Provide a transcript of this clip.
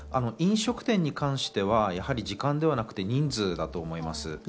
飲食店に関しては時間ではなく、人数だと思います。